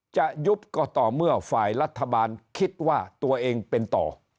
จะยุบก็ต่อเมื่อฝ่ายรัฐบาลคิดว่าตัวเองเป็นต่อ